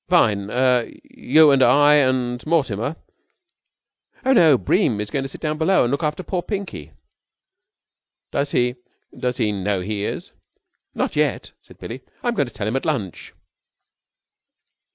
"Fine! Er you and I and Mortimer?" "Oh, no, Bream is going to sit down below and look after poor Pinky." "Does he does he know he is?" "Not yet," said Billie. "I'm going to tell him at lunch."